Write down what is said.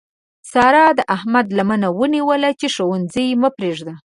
سارا د احمد لمنه ونیوله چې ښوونځی مه پرېږده.